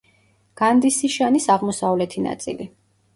განდისიშანის აღმოსავლეთი ნაწილი.